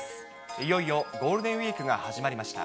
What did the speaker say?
いよいよゴールデンウィークが始まりました。